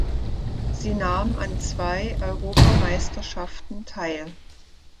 Sie nahm an zwei Europameisterschaften teil.